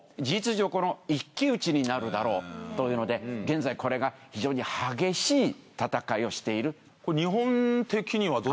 事実上この一騎打ちになるだろうというので現在これが非常に激しい戦いをしている。